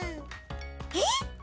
えっ！？